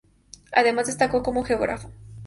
Además, destacó como geógrafo.